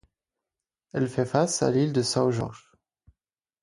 Elle fait face à l'île de São Jorge.